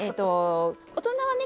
大人はね